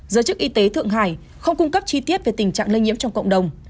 giới chức y tế thượng hải không cung cấp chi tiết về tình trạng lây nhiễm trong cộng đồng